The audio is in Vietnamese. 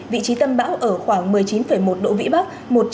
vị trí tâm bão ở khoảng một mươi chín một độ vĩ bắc